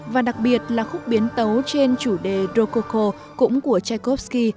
và đặc biệt là khúc biến tấu trên chủ đề rococo cũng của tchaikovsky